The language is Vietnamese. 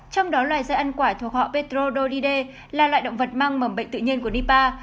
trong đó loài dây ăn quả thuộc họ petrodolidae là loại động vật mang mầm bệnh tự nhiên của nipah